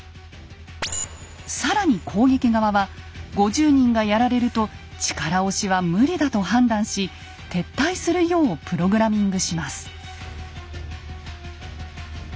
更に攻撃側は５０人がやられると力押しは無理だと判断し撤退するようプログラミングします。